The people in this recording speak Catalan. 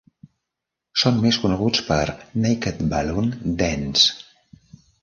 Són més coneguts per "Naked Balloon Dance".